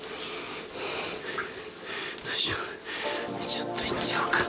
ちょっと行っちゃおうか。